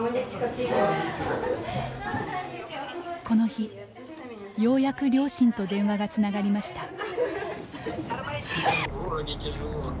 この日、ようやく両親と電話がつながりました。